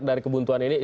dari kebuntuan ini